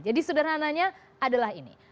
jadi sederhananya adalah ini